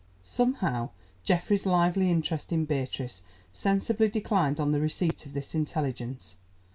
Somehow, Geoffrey's lively interest in Beatrice sensibly declined on the receipt of this intelligence.